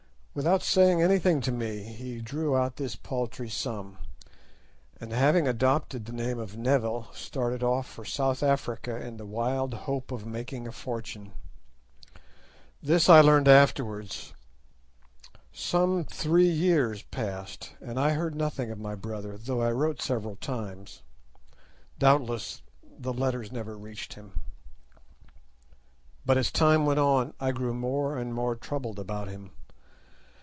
Without saying anything to me he drew out this paltry sum, and, having adopted the name of Neville, started off for South Africa in the wild hope of making a fortune. This I learned afterwards. Some three years passed, and I heard nothing of my brother, though I wrote several times. Doubtless the letters never reached him. But as time went on I grew more and more troubled about him.